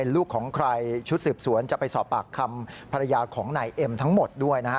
ลูกของใครชุดสืบสวนจะไปสอบปากคำภรรยาของนายเอ็มทั้งหมดด้วยนะฮะ